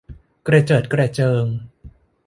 กระเจิดกระเจิง